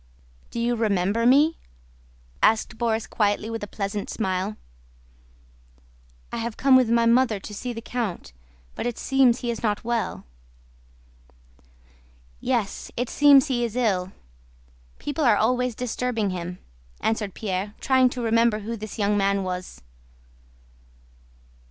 "Do you remember me?" asked Borís quietly with a pleasant smile. "I have come with my mother to see the count, but it seems he is not well." "Yes, it seems he is ill. People are always disturbing him," answered Pierre, trying to remember who this young man was.